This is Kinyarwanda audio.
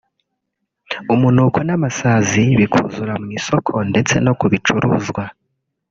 umunuko n’amasazi bikuzura mu isoko ndetse no ku bicuruzwa